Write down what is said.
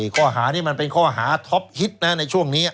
ข้อหานี้มันเป็นข้อหาท็อปฮิตนะในช่วงนี้